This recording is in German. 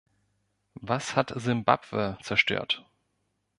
Was hat Simbabwe zerstört?